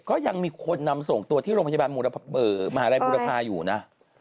ก็ยังมีคนนำส่งตัวที่โรงพยาบาลมหาลัยบุรพาอยู่นะ